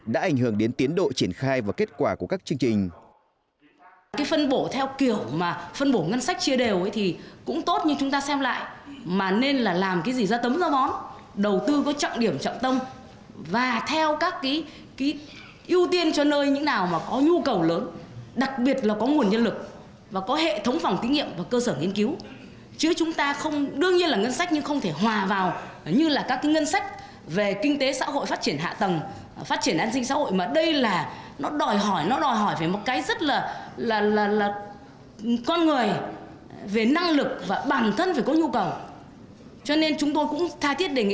đã ảnh hưởng đến tiến độ triển khai và kết quả của các chương trình